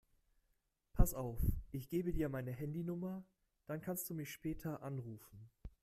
Pass auf, ich gebe dir meine Handynummer, dann kannst du mich später anrufen.